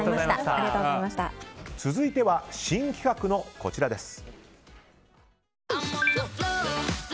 続いては新企画のこちらです。